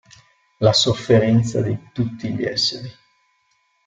La sofferenza di tutti gli esseri.